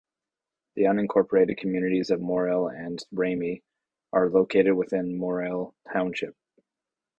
The unincorporated communities of Morrill and Ramey are located within Morrill Township.